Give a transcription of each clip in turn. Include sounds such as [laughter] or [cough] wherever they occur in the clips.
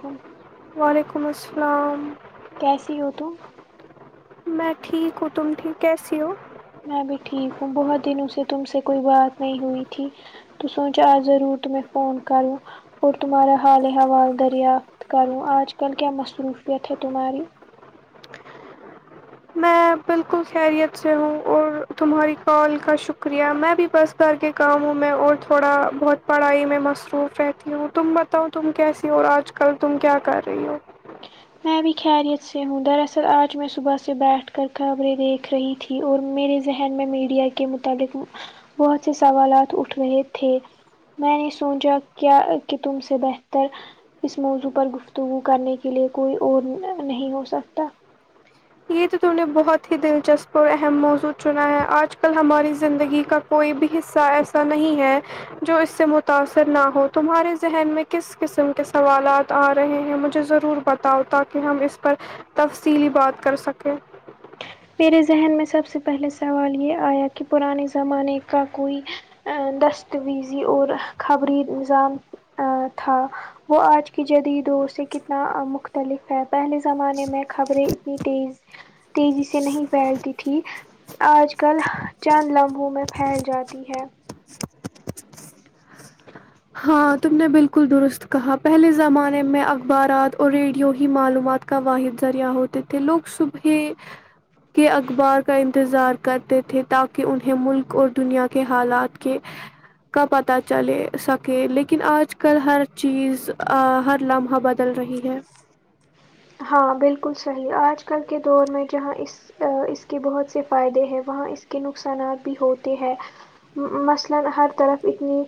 کم وعلیکم السلام کیسی ہو تو میں ٹھیک ہوں تم ٹھیک کیسی ہو میں بھی ٹھیک ہوں بہت دنوں سے تم سے کوئی بات نہیں ہوئی تھی تو سوچا آج ضرور تمہیں فون کروں اور تمہارا حال حوال دریافت کروں آج کل کیا مصروفیت ہے تمہاری میں بالکل خیریت سے ہوں اور تمہاری کال کا شکریہ میں بھی بس گھر کے کاموں میں اور تھوڑا بہت پڑھائی میں مصروف رہتی ہوں تم بت تاؤ تم کیسی ہو اور آج کل تم کیا کر رہی ہو میں بھی خیریت سے ہوں دراصل آج میں صبح سے بیٹھ کر خبریں دیکھ رہی تھی تھی اور میرے ذہن میں میڈیا کے متعلق بہت سے سوالات اٹھ رہے تھے میں نے سونچا کیا کہ تم سے بہتر اس موضوع پر گفتگو کرنے کے لیے کوئی اور نہ نہیں ہو سکتا یہ تو تم نے بہت ہی دلچسپ اور اہم موضوع چنا ہے آج کل ہماری زندگی کا کوئی بھی حصہ ایسا نہیں ہے جو اس سے متاثر نہ ہو تمہارے ذہن میں کس قسم کے سوالات آ رہے ہیں مجھے ضرور بتاؤ تاکہ ہم اس پر تفصیلی بات کر سکیں میرے ذہن میں سب سے پہلے سوال یہ آیا کہ پرانے زمانے کا کوئی آ دسویزی اور خبری نظام آ تھا وہ آج کی جدید دور سے کتنا آ مختلف ہے پہلے زمانے میں خبریں اتنی تیز تیزی سے نہیں پھیلتی تھی آج کل چند لمحوں میں پھیل جاتی ہے ہاں تم نے بالکل درست کہا پہلے زمانے میں اخبارات اور ریڈیو ہی معلومات کا واحد ذریعہ ہوتے تھے لوگ صبحے کے اخبار کا انتظار کرتے تھے تاکہ انہیں ملک اور دنیا کے حالات کے کا پتا چلے سک کہ لیکن آج کل ہر چیز آ ہر لمحہ بدل رہی ہے ہاں بالکل صحیح آج کل کے دور میں جہاں اس آ اس کے بہت سے فائدے ہیں وہاں اس کے نقصانات بھی ہوتے ہیں م مثلا ہر طرف اتنی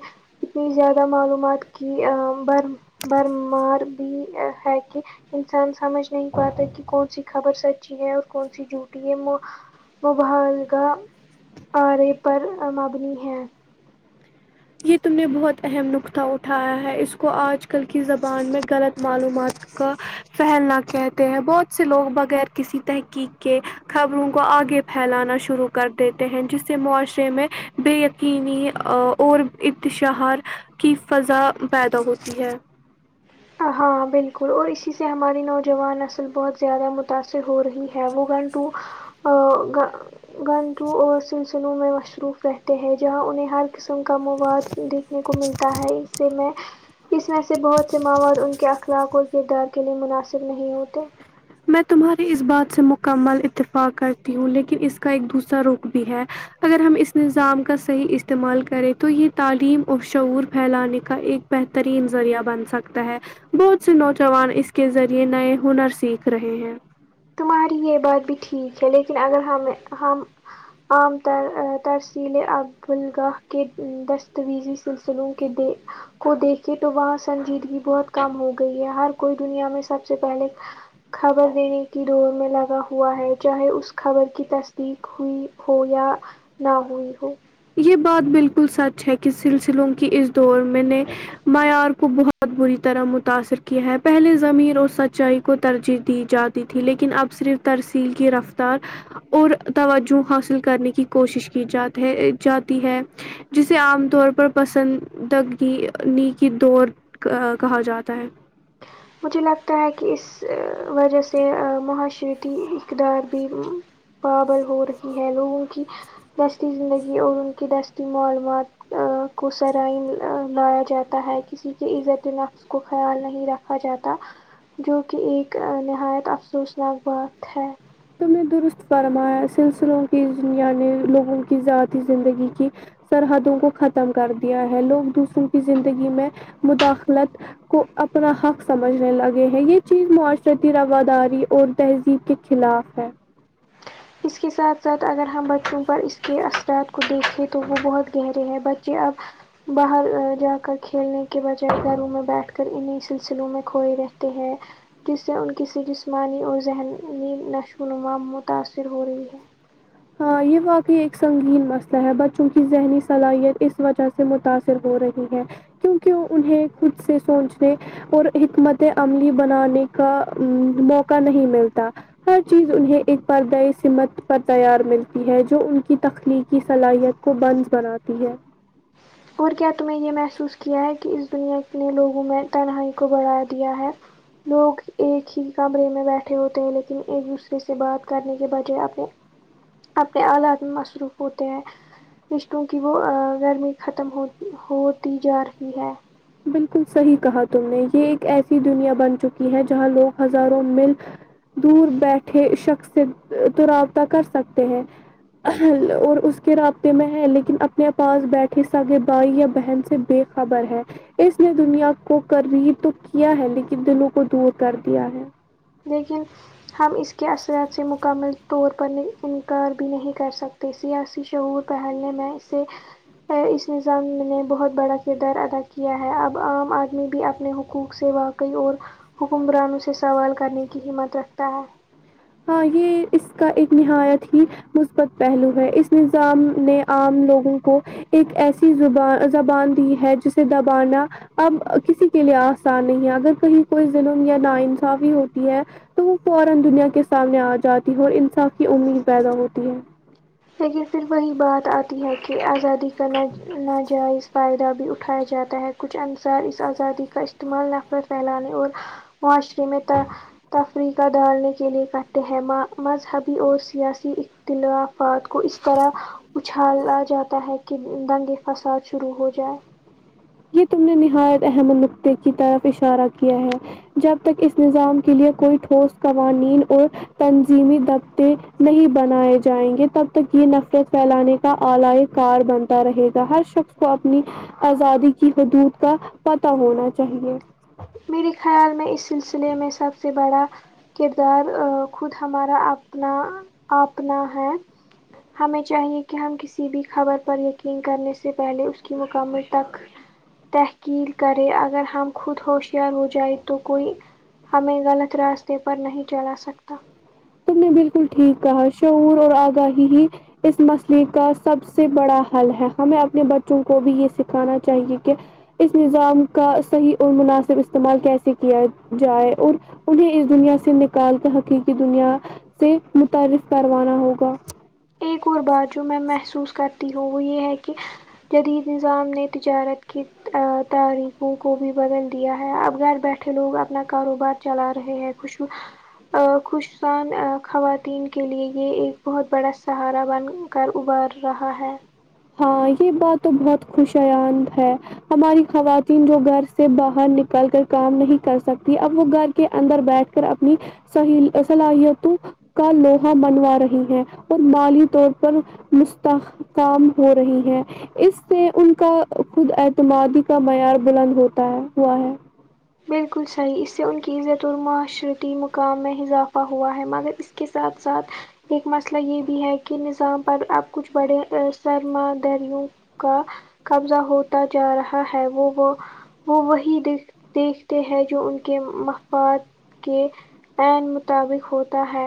اتنی زیادہ معلومات کی آ بر برمار بھی ہے کہ انس ہم سمجھ نہیں پاتے کہ کون سی خبر سچی ہے اور کون سی جوٹھی ہے مو مبحالگہ آرے پر مبنی ہے یہ تم نے بہت اہم نقطہ اٹھایا ہے اس کو آج کل کی زبان میں غلط معلومات کا پھیلنا کہتے ہیں بہت سے لوگ بغیر کسی تحقیق کے خبروں کو آگے پھیلانا شروع کر دیتے ہیں جس سے معاشرے میں بے یقینی آ اور اتشہار کی فضا پیدا ہوتی ہے ہاں بالکل اور اسی سے ہماری نوجوان نسل بہت زیادہ متاأثر ہو رہی ہے موغن ٹو آ گا گانٹوں اور سلسلوں میں مشروف رہتے ہیں جہاں انہیں ہر قسم کا مواد دیکھنے کو ملتا ہے اس میں اس میں سے بہت سے مواد ان کے اخلاق اور کردار کے لئے مناسب نہیں ہوتے میں تمہاری اس بات سے مکمل اتفاق کرتی ہوں لیکن اس کا ایک دوسرا رخ بھی ہے اگر ہم اس نظام کا صحیح استعمال کریں تو یہ تعلیم اور شعور پھیلانے کا ایک بہترین ذریعہ بن سکتا ہے بہت سے نوجوان اس کے ذریعے نئے ہنر سیکھ رہے ہیں ماری یہ بات بھی ٹھیک ہے لیکن اگر ہم ہم عام تر ا ترسیلے ابوالگاہ کے دستاویزی سلسلوں کے دے کو دیکھے تو وہاں سنجیدگی بہت کم ہو گئی ہے ہر کوئی دنیا میں سب سے پہلے خبر دینے کی دوڑ میں لگا ہوا ہے چاہے اس خبر کی تصدیق ہوئی ہو یا نہ ہوئی ہو یہ بات بالکل سچ ہے کہ سلسلوں کی اس دور میں نے معیار کو بہت بہت بری طرح متاثر کیا ہے پہلے ضمیر اور سچائی کو ترجیح دی جاتی تھی لیکن اب صرف ترسیل کی رفتار اور توجہ حاصل کرنے کی کوشش کی جات ہے جاتی ہے جسے عام طور پر پسند تکنیکی دور ک کہا جاتا ہے مجھے لگتا ہے کہ اس ا وجہ سے ا معاشرتی اقدار بھی ہوں پاگل ہو رہی ہے لوگوں کی دستی زندگی اور ان کی دستی معلومات ا کو سرے عام لایا جاتا ہے کسی کے عزت نفس کو خیال نہیں رکھ ا جاتا جو کہ ایک نہایت افسوسناک بات ہے تم نے درست فرمایا سلسلوں کی اس دنیا میں لوگوں کی ذاتی زندگی کی سرحدوں کو ختم کر دیا ہے لوگ دوسروں کی زندگی میں مداخلت کو اپنا حق سمجھنے لگے ہیں یہ چیز معاشرتی رواداری اور تہذیب کے خلاف ہے اس کے ساتھ ساتھ اگر ہم بچوں پر اس کے اثرات کو دیکھیں تو وہ بہت گہرے ہیں بچے اب باہر جا کر کھیلنے کے بجائے گھروں میں بیٹھ کر انہیں سلسلوں میں کھوئے رہتے ہیں جس سے ان کی س جسمانی اور ذہنی نشو و نما متاثر ہو رہی ہے ہاں یہ واقع ایک سنگین مسئلہ ہے بچوں کی ذہنی صلاحیت اس وجہ سے متاثر ہو رہی ہے کیونک انہیں خود سے سوچنے اور حکمت عملی بنانے کا موقع نہیں ملتا ہر چیز انہیں ایک بار دائی سمت پر تیار ملتی ہے جو ان کی تخلیقی صلاحیت کو بنس بناتی ہے اور کیا تمیں یہ محسوس کیا ہے کہ اس دنیا نے لوگوں میں تنہائی کو بڑھا دیا ہے لوگ ایک ہی کمرے میں بیٹھے ہوتے ہیں لیکن ایک دوسرے سے بات کرنے کے بجائے اپنے اپنے آلات میں مصروف ہوتے ہیں رشتوں کی وہ ا گرمی ختم ہو ہوتی جا رہی ہے بالکل صحیح کہا تم نے یہ ایک ایسی دنیا بن چکی ہے جہاں لوگ ہزاروں میل دور بیٹھے شخص سے تو رابطہ کر سکتے ہیں ہ اور اس کے رابطے میں ہے لیکن اپنے پاس بیٹھے سگے بھائی یا بہن سے بے خبر ہے اس نے دنیا کو قریب تو کیا ہے لیکن دلوں کو دور کر دیا ہے لیکن ہم اس کے اثرات سے مکمل طور پر نہی انکار بھی نہیں کر سکتے سیاسی شعور پہننے میں اسے ہے اس نظام نے بہت بڑا کردار ادا کیا ہے اب عام آدمی بھی اپنے حقوق سے وا قف اور حکمرانوں سے سوال کرنے کی ہمت رکھتا ہے ہاں یہ اس کا ایک نہایت ہی مثبت پہلو ہے اس نظام نے عام لوگوں کو ایک ایسی زبان زبان دی ہے جسے دبانا اب کسی کے لیے آسان نہیں ہے اگر کہیں کوئی ظلم یا نا انصافی ہوتی ہے تو وہ فورا دنیا کے سامنے آ جاتی ہے اور انصاف کی امید پیدا ہوتی ہے لیکن پھر وہی بات آتی ہے کہ آزادی کا نا ناجائز فائدہ بھی اٹھایا جاتا ہے کچھ انصار اس آزادی کا استعمال نفرت پھیلانے اور معاشرے میں ت فریقاں ڈالنے کے لیے کرتے ہیں ما مذہبی اور سیاسی اختلاف افاد کو اس طرح اچھالا جاتا ہے کہ دنگے فساد شروع ہو جائے یہ تم نے نہایت اہم نقطہ کی طرف اشارہ کیا ہے جب تک اس نظام کے لیے کوئی ٹھوس قوانین اور تنظیمی دفتےنہیں بنائے جائیں گے تب تک یہ نفرت فیلانے کا آلائ کار بنتا رہے گا ہر شخص کو اپنی آزادی کی حدود کا پتہ ہونا چاہیے میرے خیال میں اس سلسلے میں سب سے بڑا کردار ا خود ہمارا اپنا اپنا ہے ہمیں چاہیے کہ ہم کسی بھی خبر پر یقین کرنے سے پہلے اس کی مکمل تک تحقیل کریں اگر ہم خود ہوش یار ہو جائے تو کوئی ہمیں غلط راستے پر نہیں چلا سکتا تم نے بالکل ٹھیک کہا شعور اور آگاہی ہی اس مسئلے کا سب سے بڑا حل ہے ہمیں اپنے بچوں کو بھی یہ سکھانا چاہیے کہ اس نظام کا صحیح اور مناسب استعمال کیسے کیا جائے اور انہیں اس دنیا سے نکال کے حقیقی دنیا سے متعارف کروانا ہوگا ایک اور بات جو میں محسوس کرتی ہوں وہ یہ ہے کہ جدید نظام نے تجارت کی تاریخوں کو بھی بدل دیا ہے اب گھر بیٹھ ھے لوگ اپنا کاروبار چلا رہے ہیں خوشو خوشصان خواتین کے لیے یہ ایک بہت بڑا سہارا بن کر ابر رہا ہے ہاں یہ بات تو بہت خوشیان ہے ہماری خواتین جو گھر سے باہر نکل کر کام نہیں کر سکتی اب وہ گھر کے اندر بیٹھ کر اپنی صحیح صلاحیتوں کا لوہا منوا رہی ہے اور مالی طور پر مستحکام ہو رہی ہے اس سے ان کا خود اعتمادی کا معیار بلند ہوتا ہے ہوا ہے بالکل صحیح اس سے ان کی عزت الماشرتی مقام میں اضافہ ہوا ہے مگر اس کے ساتھ ساتھ ایک مسئلہ یہ بھی ہے کہ نظام پر اب کچھ بڑے سرما دروں کا قبضہ ہوتا جا رہا ہے وہ وہ وہ وہی د دیکھتے ہیں جو ان کے مفاد کے عین مطابق ہوتا ہے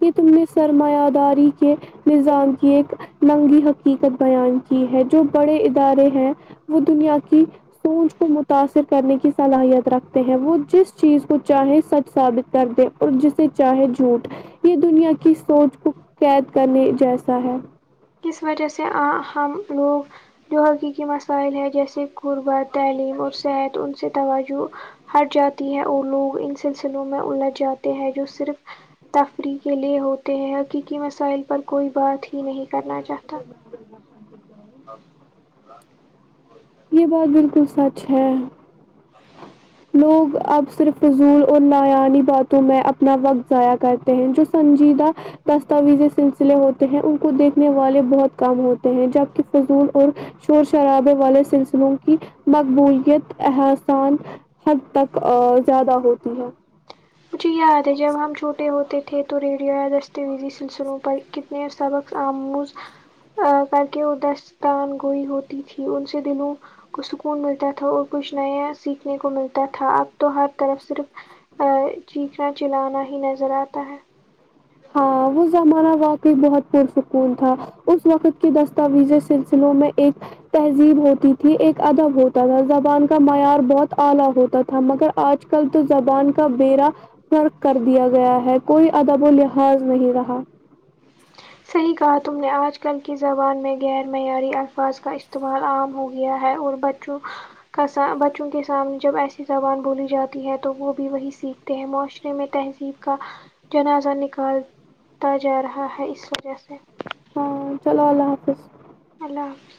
کہ تم نے سرمایہ داری کے نظام کی ایک لنگی حقیقت بیان کی ہے جو بڑے ادارے ہیں وہ دنیا کی سوچ کو متاثر کرنے کی صلاحیت رکھتے ہیں وہ جس چیز کو چاہے سچ ثابت کر دے اور جسے چاہے جھوٹ یہ دنیا کی سوچ کو قید کرنے جیسا ہے کس وجہ سے ہم لوگ جو حقیقی مسائل ہیں جیسے غربت تعلیم اور صحت ان سے توجہ ہٹ جاتی ہے اور لوگ ان سلسلوں میں الجھ جاتے ہیں جو صرف تفریح کے لیے ہوتے ہیں حقیقی مسائل پر کوئی بات ہی نہیں کرنا چاہتا [inaudible] [inaudible] یہ بات بالکل سچ ہے لوگ اب صرف رضول اور لاانی باتوں میں اپنا وقت ضائع کرتے ہیں جو سنجیدہ دستاویزی سلسلے ہوتے ہیں ان کو دیکھنے والے بہت کم ہوتے ہیں جبکہ فضول اور شور شرابے والے سلسلوں کی مقبولیت احسان حد تک ا زیادہ ہوتی ہے مجھے یاد ہے جب ہم چھوٹے ہوتے تھے تو ریڈیو یا دستاویزی سلسلوں پر کتنے سبق آموز ا کر کے وہ دستان گوئی ہوتی تھی ان سے دلوں کو سکون ملتا تھا اور کچھ نیا سیکھنے کو ملتا تھا اب تو ہر طرف صرف اے چیخنا چلانا ہی نظر آتا ہے ہاں وہ زمانہ واقع بہت پرسکون تھا اس وقت کے دستاویزی سلسلوں میں ایک تہذیب ہوتی تھی ایک ادب ہوتا تھا زبان کا معیار بہت اعلی ہوتا تھا مگر آج کل تو زبان کا بیڑا غرق کر دیا گیا ہے کوئی ادب و لحا ظ نہیں رہا صحیح کہا تم نے آج کل کی زبان میں غیر معیاری الفاظ کا استعمال عام ہو گیا ہے اور ب چوں کا سا بچوں کے سامنے جب ایسی زبان بولی جاتی ہے تو وہ بھی وہی سیکھ تے ہیں معاشرے میں تہذیب کا جنازہ نکل تا جا رہا ہے اس وجہ سے ہاں چلو اللہ حافظ اللہ حافظ